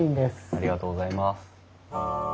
ありがとうございます。